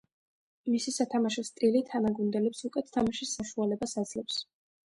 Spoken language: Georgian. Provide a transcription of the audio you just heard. მისი სათამაშო სტილი თანაგუნდელებს უკეთ თამაშის საშუალებას აძლევს.